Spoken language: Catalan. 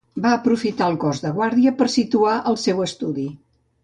Va aprofitar el cos de guàrdia per situar el seu estudi.